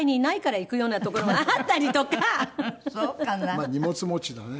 まあ荷物持ちだね。